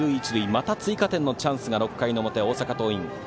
また追加点のチャンスが６回の表、大阪桐蔭。